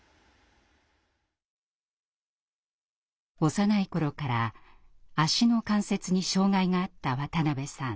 幼い頃から足の関節に障害があった渡邊さん。